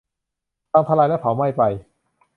พังทลายและเผาไหม้ไป